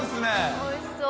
おいしそう。